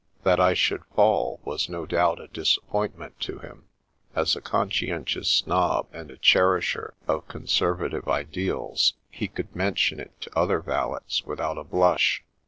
That I should fall was no doubt a disappointment to him. As a conscien tious snob and a cherisher of conservative ideals, he could mention it to other valets without a blush.